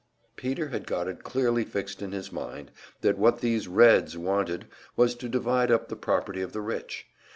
Peter had got it clearly fixed in his mind that what these "Reds" wanted was to divide up the property of the rich.